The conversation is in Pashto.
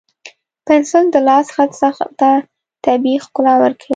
پنسل د لاس خط ته طبیعي ښکلا ورکوي.